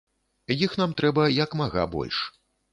Іх нам трэба як мага больш.